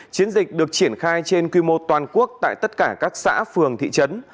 chiến dịch được triển khai trên quy mô toàn quốc tại tất cả các xã phường thị trấn